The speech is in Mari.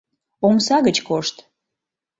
Омса гыч кошт!